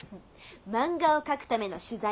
漫画を描くための取材。